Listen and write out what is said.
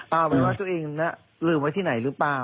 เอาเป็นว่าตัวเองลืมไว้ที่ไหนหรือเปล่า